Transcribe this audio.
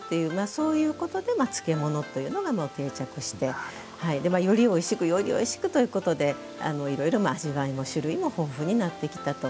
そういうことで漬物のというのが定着してよりおいしくということでいろいろ味わいも種類も豊富になってきたと。